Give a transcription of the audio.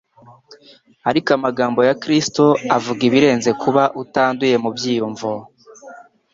Ariko amagambo ya Kristo avuga ibirenze kuba utanduye mu byiyumviro